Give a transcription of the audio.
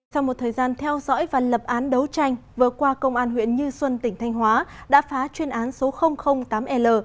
sau một thời gian theo dõi và lập án đấu tranh vừa qua công an huyện như xuân tỉnh thanh hóa đã phá chuyên án số tám l